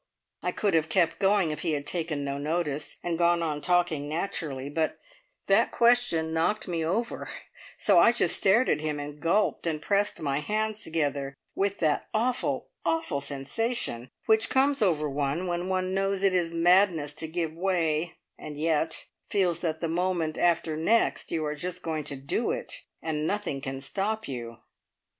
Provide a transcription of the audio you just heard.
I could have kept going if he had taken no notice, and gone on talking naturally; but that question knocked me over, so I just stared at him and gulped, and pressed my hands together, with that awful, awful sensation which comes over one when one knows it is madness to give way, and yet feels that the moment after next you are just going to do it, and nothing can stop you!